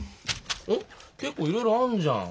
おっ結構いろいろあるじゃん。